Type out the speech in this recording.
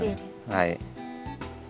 はい。